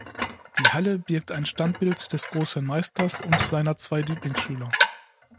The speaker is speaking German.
Die Halle birgt ein Standbild des großen Meisters und seiner zwei Lieblingsschüler.